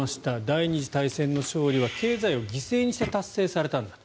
第２次大戦の勝利は経済を犠牲にして達成されたんだ。